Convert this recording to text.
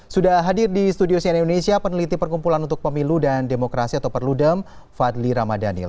sudah hadir di studio cnn indonesia peneliti perkumpulan untuk pemilu dan demokrasi atau perludem fadli ramadhanil